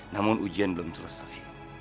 namun ujian belum selesai